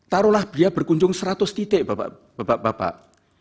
taruhlah dia berkunjung seratus titik bapak bapak